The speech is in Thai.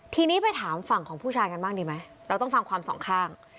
ทีนี้ไปถามฝั่งของผู้ชายกันบ้างดีไหมเราต้องฟังความสองข้าง